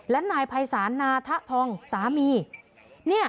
และนายภัยศาลนาทะทองสามี